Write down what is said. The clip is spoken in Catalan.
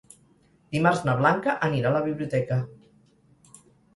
Dimarts na Blanca anirà a la biblioteca.